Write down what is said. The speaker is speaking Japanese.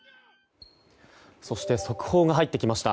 速報が入ってきました。